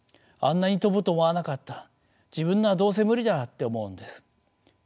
あんなに飛ぶと思わなかった自分のはどうせ無理だって思うんです。